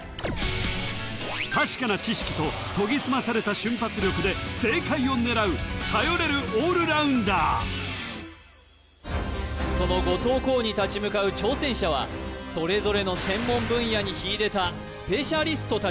確かな知識と研ぎ澄まされた瞬発力で正解を狙う頼れるオールラウンダーその後藤弘に立ち向かう挑戦者はそれぞれの専門分野に秀でたスペシャリスト達